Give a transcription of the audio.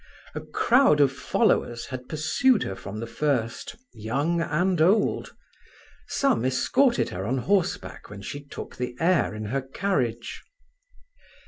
A crowd of followers had pursued her from the first, young and old. Some escorted her on horse back when she took the air in her carriage.